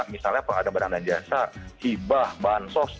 misalnya peradaban dan jasa hibah bahan sos